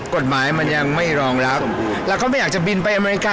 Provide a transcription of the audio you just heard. กฎหมายมันยังไม่รองรับแล้วเขาไม่อยากจะบินไปอเมริกา